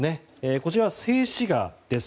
こちらは静止画です。